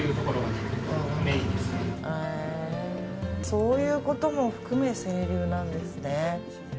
そういうことも含め清流なんですね。